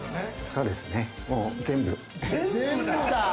そうですよね、全部。